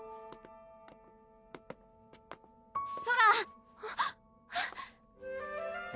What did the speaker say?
ソラ！